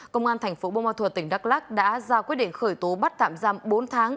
công an thành phố bô ma thuật tỉnh đắk lắc đã ra quyết định khởi tố bắt tạm giam bốn tháng